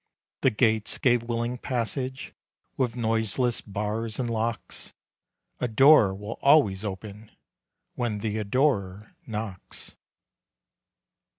The gates gave willing passage, With noiseless bars and locks. A door will always open, When the adorer knocks.